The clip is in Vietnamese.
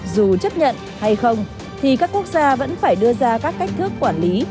dù chấp nhận hay không thì các quốc gia vẫn phải đưa ra các cách thức quản lý